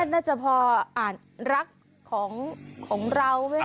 น่าจะพออ่านรักของเราไหมค